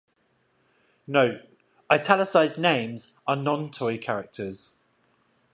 Note: "Italicized names" are non-toy characters.